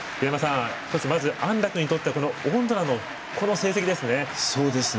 まず、安楽にとってはオンドラの成績ですね。